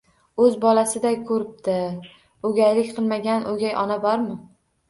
O'z bolasiday ko'ribdi? O'gaylik qilmagan o'gay ona bormi?